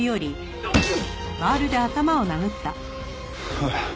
おい！